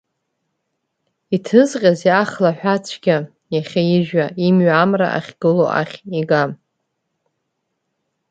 Иҭызҟьазеи ахлаҳәацәгьпа иахьа ижәҩа, имҩа амра ахьгыло ахь игам.